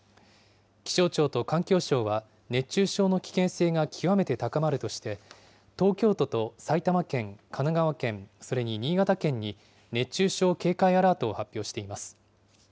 気象庁と環境省は、熱中症の危険性が極めて高まるとして、東京都と埼玉県、神奈川県、それに新潟県に熱中症警戒アラートを発表しています。